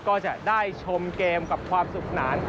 ก็จะได้ชมเกมกับความสุขนาน